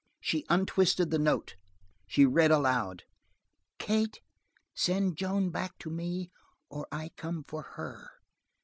She untwisted the note, she read aloud: "Kate, send Joan back to me or I come for her.